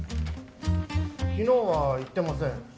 昨日は行ってません。